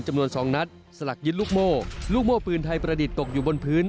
จำนวน๒นัดสลักยึดลูกโม่ลูกโม่ปืนไทยประดิษฐ์ตกอยู่บนพื้น